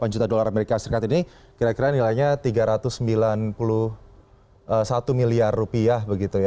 dua puluh delapan juta dolar as ini kira kira nilainya tiga ratus sembilan puluh satu miliar rupiah